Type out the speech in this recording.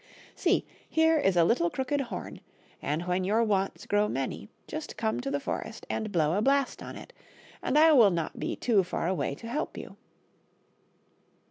See, here is a little crooked horn, and when your wants grow many, just come to the forest and blow a blast on it, and I will not be too far away to help you."